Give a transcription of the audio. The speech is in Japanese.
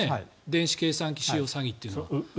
電子計算機使用詐欺というのは。